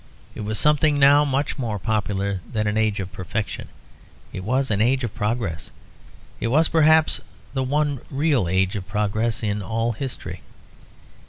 It was something now much more popular than an age of perfection; it was an age of progress. It was perhaps the one real age of progress in all history.